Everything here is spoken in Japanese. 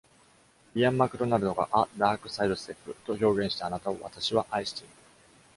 イアン・マクドナルドが ”a dark sidestep” と表現したあなたを私は愛している。